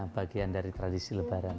bagian dari tradisi lebaran